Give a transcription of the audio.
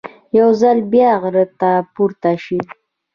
یو ځل بیا غره ته پورته شي.